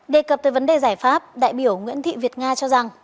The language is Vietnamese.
đề cập tới vấn đề giải pháp đại biểu nguyễn thị việt nga cho rằng